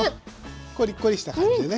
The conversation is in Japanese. コリコリした感じでね。